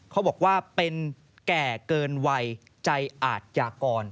เขาบอกว่าเป็นแก่เกินวัยใจอาทยากร